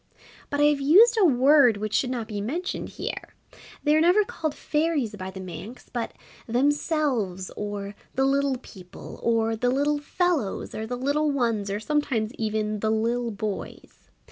But I have used a word which should not be mentioned here they are never called Fairies by the Manx, but Themselves, or the Little People, or the Little Fellows, or the Little Ones, or sometimes even the Lil' Boys.